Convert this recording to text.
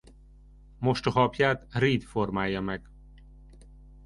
Mostohaapját Reed formálja meg.